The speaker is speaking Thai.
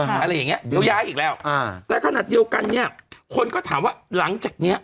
อะไรอย่างเงี้เดี๋ยวย้ายอีกแล้วอ่าแต่ขนาดเดียวกันเนี้ยคนก็ถามว่าหลังจากเนี้ย